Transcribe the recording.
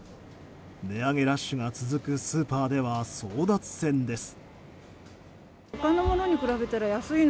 値上げラッシュが続くスーパーでは争奪戦です。